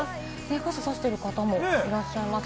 傘さしてる方もいらっしゃいますね。